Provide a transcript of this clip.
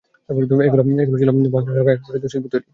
এগুলো ছিল বাসলিয়াল নামক এক প্রসিদ্ধ শিল্পীর তৈরি।